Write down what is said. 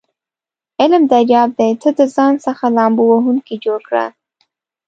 علم دریاب دی ته دځان څخه لامبو وهونکی جوړ کړه س